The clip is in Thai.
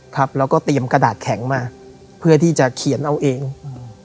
ครับแล้วก็เตรียมกระดาษแข็งมาเพื่อที่จะเขียนเอาเองอืม